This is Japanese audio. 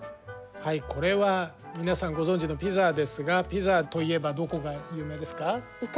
はいこれは皆さんご存じのピザですがピザといえばどこが有名ですか？